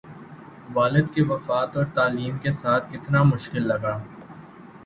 والد کی وفات اور تعلیم کے ساتھ کتنا مشکل لگا